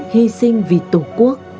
hi sinh vì tổ quốc